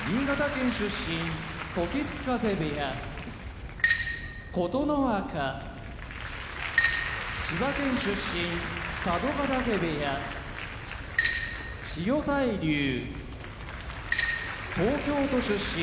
時津風部屋琴ノ若千葉県出身佐渡ヶ嶽部屋千代大龍東京都出身